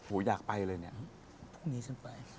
โอ้ยดากไปเลยเนี่ย